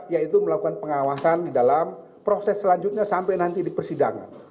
yaitu melakukan pengawasan di dalam proses selanjutnya sampai nanti di persidangan